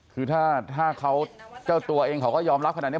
คือถ้าเขาเจ้าตัวเองเขาก็ยอมรับขนาดนี้